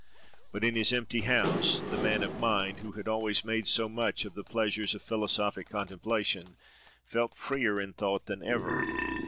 But, in his empty house, the man of mind, who had always made so much of the pleasures of philosophic contemplation, felt freer in thought than ever.